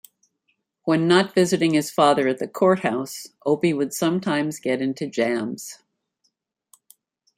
When not visiting his father at the courthouse, Opie would sometimes get into jams.